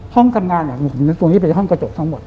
ห้องทำงานผมนึกตรงนี้เป็นห้องกระจกทั้งหมด